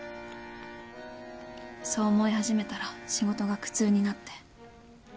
そう思い始めたら仕事が苦痛になって。